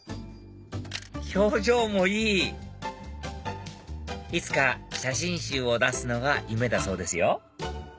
表情もいいいつか写真集を出すのが夢だそうですよ